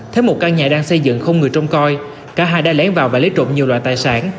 thấy một căn nhà đang xây dựng không người trông coi cả hai đã lén vào và lấy trộm nhiều loại tài sản